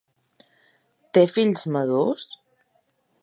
Té fills madurs?